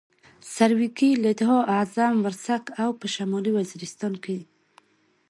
سرویکي، لدها، اعظم ورسک او په شمالي وزیرستان کې.